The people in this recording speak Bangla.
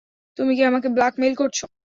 তুমি কি আমাকে ব্ল্যাকমেইল করছো?